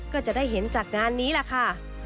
ก็จะได้เห็นจากงานนี้แหละค่ะ